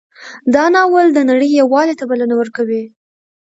دا ناول د نړۍ یووالي ته بلنه ورکوي.